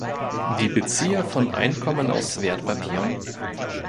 Die Bezieher von Einkommen aus Wertpapieren?